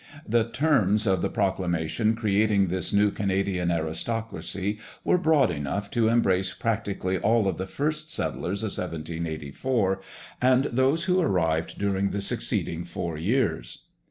The terms of the proclamation creating this new Canadian aristocracy were broad enough to embrace practically all of the first settlers of 1784, and those who arrived during the succeeding four years.